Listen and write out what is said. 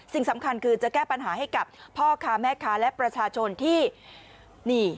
สิ่งสำคัญคือจะแก้ปัญหาให้กับพ่อค้าแม่ค้าและประชาชนที่นี่